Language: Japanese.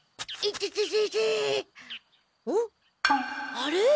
あれ？